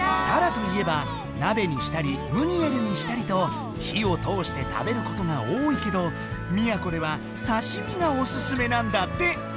たらといえばなべにしたりムニエルにしたりと火を通して食べることが多いけど宮古ではさしみがおすすめなんだって。